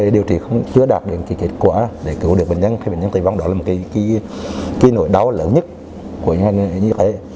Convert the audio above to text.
điều trị chưa đạt được kết quả để cứu được bệnh nhân tẩy vong đó là một nỗi đau lớn nhất của ngành người nhân viên y khỏe